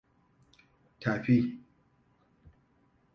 Tafi!